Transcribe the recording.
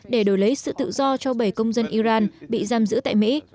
để đổi lấy sự tự do cho bảy công dân iran bị giam giữ tại mỹ